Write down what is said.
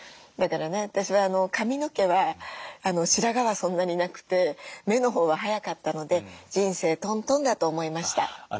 だからね私は髪の毛は白髪はそんなになくて目のほうは早かったので人生トントンだと思いました。